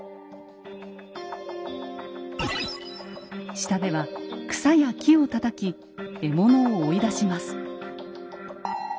下では草や木をたたき獲物を追い出します。